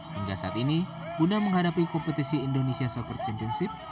hingga saat ini guna menghadapi kompetisi indonesia soccer championship